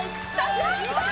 やったー！